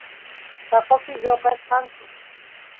taqopi lloqachkanku